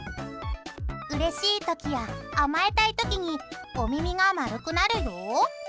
うれしい時や甘えたい時にお耳が丸くなるよ。